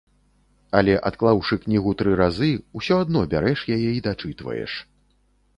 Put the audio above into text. Але адклаўшы кнігу тры разы, усё адно бярэш яе і дачытваеш.